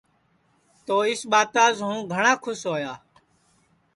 تو اِس ٻاتاس ہوں گھٹؔا کُھس ہویا